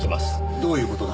どういう事だ？